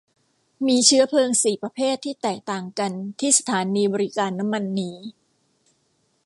มีเชื้อเพลิงสี่ประเภทที่แตกต่างกันที่สถานีบริการน้ำมันนี้